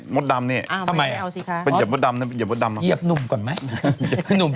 เหนื่อยก็ตายสิเธอ